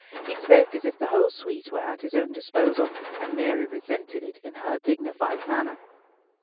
He spoke as if the whole suite were at his own disposal, and Mary resented it in her dignified manner.